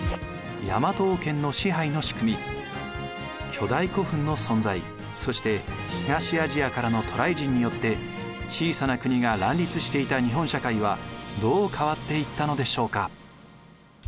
巨大古墳の存在そして東アジアからの渡来人によって小さな国が乱立していた日本社会はどう変わっていったのでしょうか。